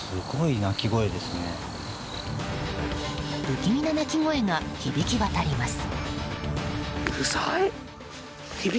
不気味な鳴き声が響き渡ります。